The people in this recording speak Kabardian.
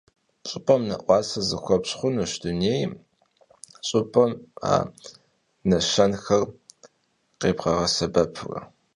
Ş'ıp'em ne'uase zıxueş' xhunuş dunêym, ş'ıp'em ya neşenexer khebğesebepure.